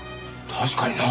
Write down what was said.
確かにな。